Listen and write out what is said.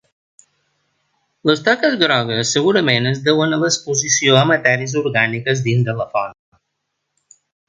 Les taques grogues segurament es deuen a l'exposició a matèries orgàniques dins de la font.